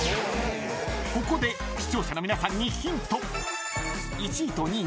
［ここで視聴者の皆さんに］